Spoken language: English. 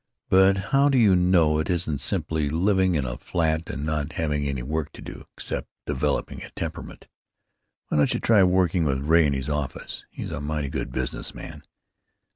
But how do you know it isn't simply living in a flat and not having any work to do except developing a temperament? Why don't you try working with Ray in his office? He's a mighty good business man.